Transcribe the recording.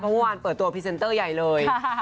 เมื่อวานเปิดตัวพรีเซนเตอร์ใหญ่เลย